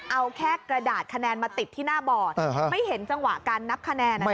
เอาแค่กระดาษคะแนนมาติดที่หน้าบอร์ดไม่เห็นจังหวะการนับคะแนน